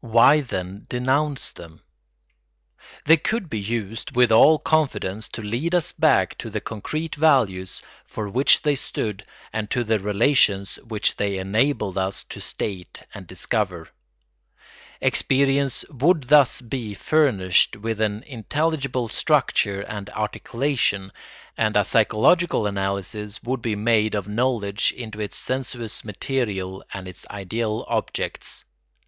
Why, then, denounce them? They could be used with all confidence to lead us back to the concrete values for which they stood and to the relations which they enabled us to state and discover. Experience would thus be furnished with an intelligible structure and articulation, and a psychological analysis would be made of knowledge into its sensuous material and its ideal objects.